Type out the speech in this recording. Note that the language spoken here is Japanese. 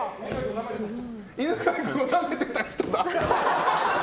犬飼君をなめてた人だ。